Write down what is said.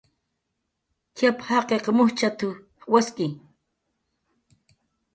"Tx'ap"" jaqiq mujchat"" waski"